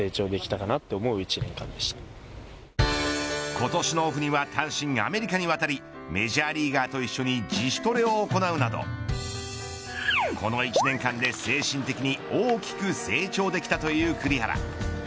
今年のオフには単身アメリカに渡りメジャーリーガーと一緒に自主トレを行うなどこの１年間で精神的に大きく成長できたという栗原。